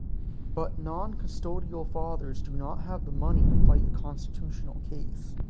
But non-custodial fathers do not have the money to fight a constitutional case.